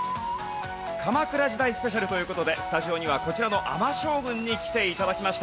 鎌倉時代スペシャルという事でスタジオにはこちらの尼将軍に来て頂きました。